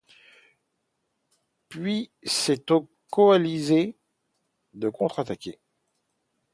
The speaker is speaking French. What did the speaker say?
Puis c'est aux coalisés de contre attaquer.